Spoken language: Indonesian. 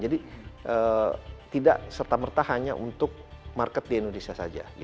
jadi tidak serta merta hanya untuk market di indonesia saja